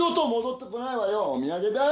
お土産だ！